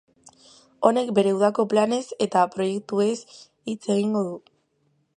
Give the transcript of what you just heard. Honek bere udako planez eta proiektuez hitz egingo du.